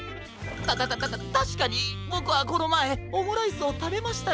たたたたたたしかにボクはこのまえオムライスをたべましたけど。